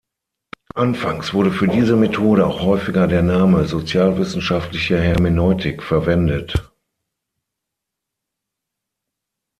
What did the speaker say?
Anfangs wurde für diese Methode auch häufiger der Name 'sozialwissenschaftliche Hermeneutik' verwendet.